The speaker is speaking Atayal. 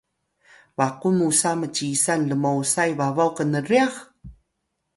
baqun musa mcisan lmosay babaw knryax?